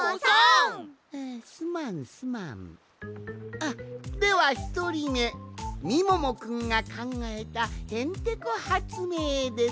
あっではひとりめみももくんがかんがえたへんてこはつめいです。